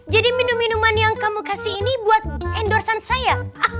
jadi minuman minuman yang kamu kasih ini buat endorse an saya